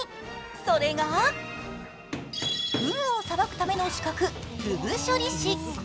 それがふぐをさばくための資格、ふぐ処理師。